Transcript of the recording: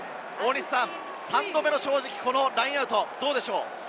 ３度目の正直、ラインアウト、どうでしょう？